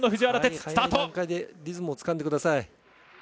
早い段階でリズムをつかんでください。